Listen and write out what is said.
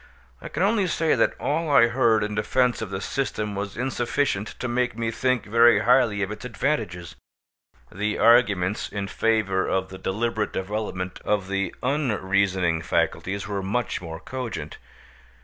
I can only say that all I heard in defence of the system was insufficient to make me think very highly of its advantages. The arguments in favour of the deliberate development of the unreasoning faculties were much more cogent.